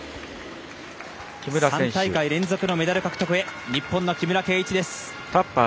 ３大会連続のメダル獲得へ日本の木村敬一です。